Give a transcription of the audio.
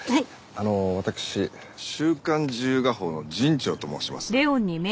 あの私『週刊自由画報』の長と申します。